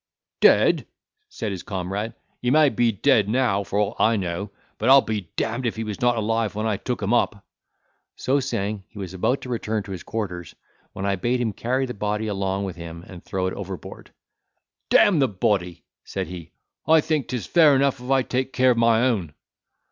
"Dead," said his comrade; "he may be dead now, for aught I know, but I'll be d—d if he was not alive when I took him up." So saying, he was about to return to his quarters, when I bade him carry the body along with him, and throw it overboard. "D—n the body!" said he, "I think 'tis fair enough if I take care of my own."